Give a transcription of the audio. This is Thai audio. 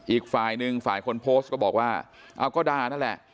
อีกฝ่ายหนึ่งฝ่ายคนโพสต์ก็บอกว่าเอาก็ด่านั่นแหละ